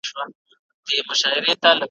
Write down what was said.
چي پر سر باندي یې وکتل ښکرونه `